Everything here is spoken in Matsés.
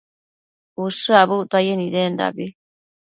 ushË abuctuaye nidendabi